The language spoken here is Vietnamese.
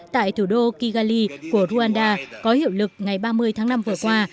tại thủ đô kigali của rwanda có hiệu lực ngày ba mươi tháng năm vừa qua